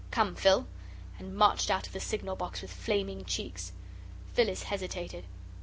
"Come, Phil," and marched out of the signal box with flaming cheeks. Phyllis hesitated.